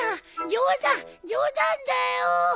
冗談冗談だよ！